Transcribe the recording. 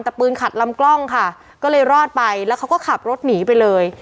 แต่ปืนขัดลำกล้องค่ะก็เลยรอดไปแล้วเขาก็ขับรถหนีไปเลย